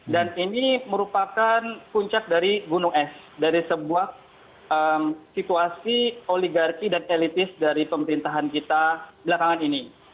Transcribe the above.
dan ini merupakan puncak dari gunung es dari sebuah situasi oligarki dan elitis dari pemerintahan kita belakangan ini